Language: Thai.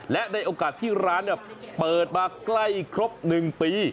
และได้โอกาสที่ร้านเนี่ยเปิดมาใกล้ครบหนึ่งปี